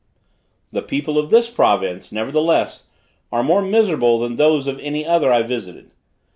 The people of this province, nevertheless, are more miserable than those of any other I visited.